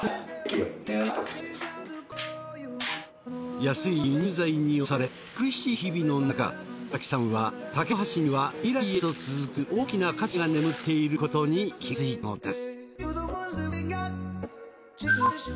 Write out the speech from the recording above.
安い輸入材に押され苦しい日々のなか山崎さんは竹の箸には未来へと続く大きな価値が眠っていることに気がついたのです。